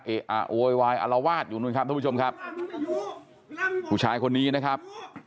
เออรอวาดอยู่นู้นครับทุกผู้ชมครับผู้ชายคนนี้นะครับ